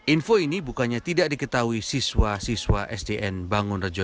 info ini bukannya tidak diketahui siswa siswa sdn bangun rejo